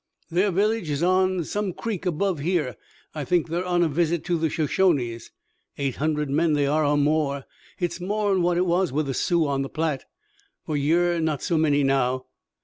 "Their village is on some creek above here. I think they're on a visit to the Shoshones. Eight hundred men they are, or more. Hit's more'n what it was with the Sioux on the Platte, fer ye're not so many now.